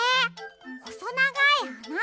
ほそながいあな？